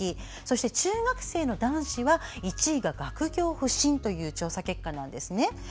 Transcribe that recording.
中学生の男子は１位が学業不振という調査結果です。